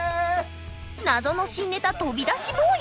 謎の新ネタ「飛び出し坊や」！？